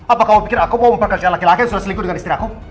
apa kamu pikir aku mau pekerja laki laki yang sudah selingkuh dengan istri aku